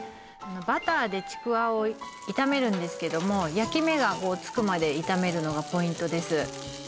バターでちくわを炒めるんですけども焼き目がつくまで炒めるのがポイントです